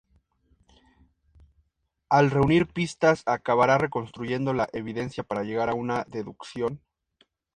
Al reunir pistas, acabará reconstruyendo la evidencia para llegar a una deducción.